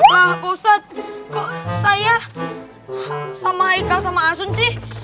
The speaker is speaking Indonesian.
pak ustaz kok saya sama haikal sama asun sih